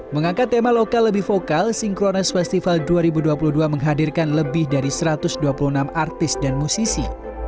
mengangkat tema lokal lebih vokal synchronize festival dua ribu dua puluh dua menghadirkan lebih dari satu ratus dua puluh enam artis dan musisi